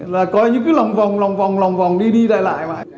là coi như cứ lòng vòng lòng vòng lòng vòng đi đi lại lại